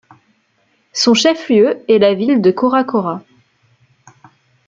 Son chef-lieu est la ville de Coracora.